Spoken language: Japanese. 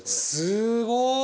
すごい！